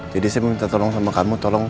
jadi saya mau minta tolong sama kamu